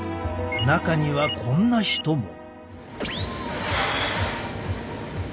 中にはこんな人も。